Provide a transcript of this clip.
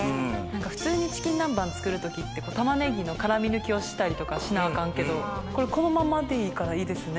普通にチキン南蛮作る時ってタマネギの辛み抜きをしたりとかしなアカンけどこれこのままでいいからいいですね。